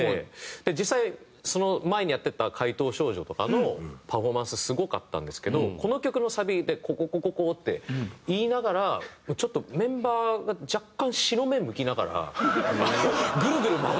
実際その前にやってた『怪盗少女』とかのパフォーマンスすごかったんですけどこの曲のサビで「コココココ」って言いながらちょっとメンバーが若干白目むきながらグルグル回って。